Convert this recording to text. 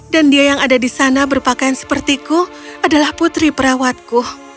dan dia yang ada di sana berpakaian sepertiku adalah putri perawatku